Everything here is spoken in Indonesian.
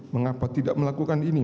mengapa tidak melakukan ini